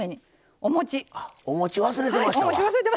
おもち忘れてましたわ。